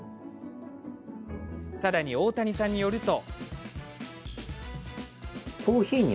さらに、大谷さんによると。